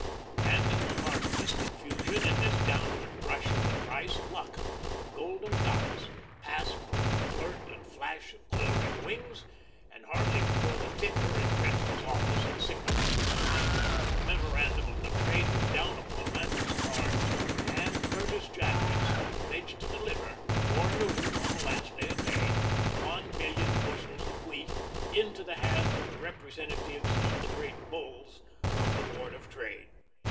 And in the heart of this confusion, in this downward rush of the price, Luck, the golden goddess, passed with the flirt and flash of glittering wings, and hardly before the ticker in Gretry's office had signalled the decline, the memorandum of the trade was down upon Landry's card and Curtis Jadwin stood pledged to deliver, before noon on the last day of May, one million bushels of wheat into the hands of the representatives of the great Bulls of the Board of Trade.